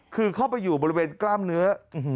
คือเข้าไปอยู่บริเวณกล้ามเนื้อ